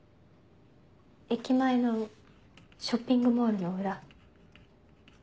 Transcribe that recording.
駅前のショッピングモールの裏。